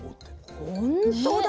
ほんとだ。